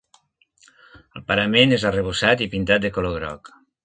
El parament és arrebossat i pintat de color groc.